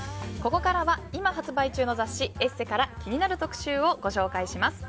ここからは今発売中の雑誌「ＥＳＳＥ」から気になる特集をご紹介します。